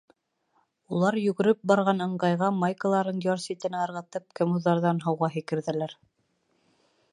Улар йүгереп барған ыңғайға майкаларын яр ситенә ырғытып, кемуҙарҙан, һыуға һикерҙеләр.